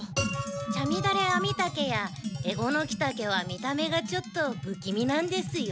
チャミダレアミタケやエゴノキタケは見た目がちょっと不気味なんですよね。